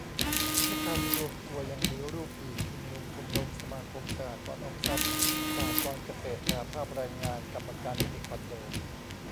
และการรวมตัวยังมีรูปอื่น ชุมนุม ชมรม สมาคม สหกรณ์ออมทรัพย์ สหกรณ์เกษตร สหภาพแรงงาน กรรมการนิติคอนโด